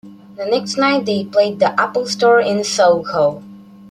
The next night they played the Apple Store in SoHo.